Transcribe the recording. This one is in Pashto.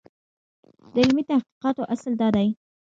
د علمي تحقیقاتو اصل دا دی.